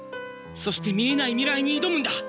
そして見えない未来に挑むんだ！